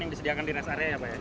yang disediakan di res area ya pak